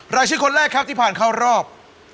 รายชื่อคนแรกครับที่ผ่านเข้ารอบ